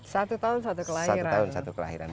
satu tahun satu kelahiran